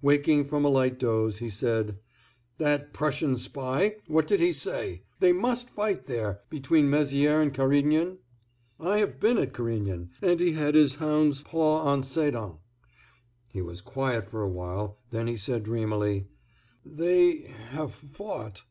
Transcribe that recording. Waking from a light doze, he said: "That Prussian spy, what did he say?—they must fight there—between Mézières and Carignan? I have been at Carignan—and he had his hound's paw on Sedan." He was quiet for a while; then he said, dreamily: "They—have—fought."